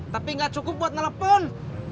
tapi gak cukup buat nelepon